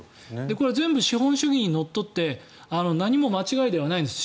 これ、全部資本主義にのっとって何も間違いではないんです。